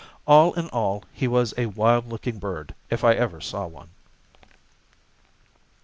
All in all, he was a wild looking bird, if ever I saw one.